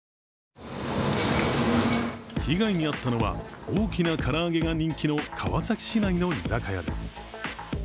被害に遭ったのは大きな唐揚げが人気の川崎市内の居酒屋です。